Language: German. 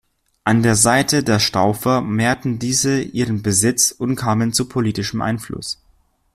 An der Seite der Staufer mehrten diese ihren Besitz und kamen zu politischem Einfluss.